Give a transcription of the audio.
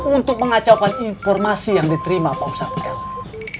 untuk mengacaukan informasi yang diterima para usat terowek